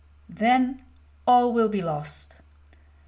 Then all will be lost!